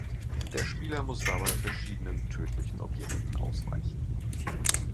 Der Spieler muss dabei verschiedenen tödlichen Objekten ausweichen.